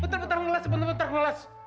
bentar bentar ngeles bentar bentar ngeles